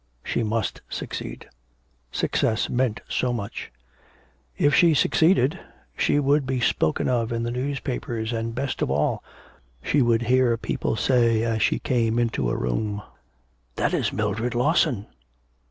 She must succeed. Success meant so much. If she succeeded, she would be spoken of in the newspapers, and, best of all, she would hear people say when she came into a room, 'That is Mildred Lawson....'